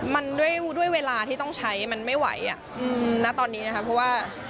มันด้วยเวลาที่ต้องใช้มันไม่ไหวอ่ะอืมณตอนนี้นะคะเพราะว่า